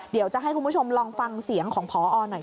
เดี๋ยวจะให้คุณผู้ชมลองฟังเสียงของพอหน่อยค่ะ